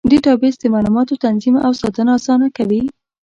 ډیټابیس د معلوماتو تنظیم او ساتنه اسانه کوي.